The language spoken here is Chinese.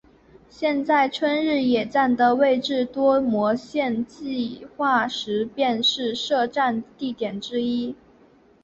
现在春日野站的位置在多摩线计画时便是设站地点之一。